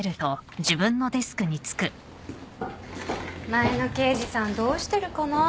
前の刑事さんどうしてるかな？